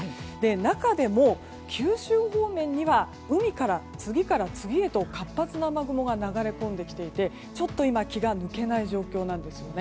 中でも、九州方面には海から次から次へと活発な雨雲が流れ込んできていてちょっと今気が抜けない状況なんです。